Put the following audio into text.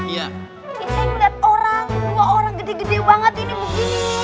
saya lihat orang dua orang gede gede banget ini begini